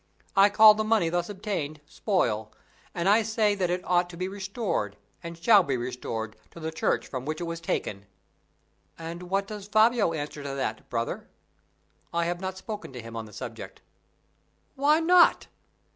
I call the money thus obtained spoil, and I say that it ought to be restored, and shall be restored, to the Church from which it was taken." "And what does Fabio answer to that, brother?" "I have not spoken to him on the subject." "Why not?"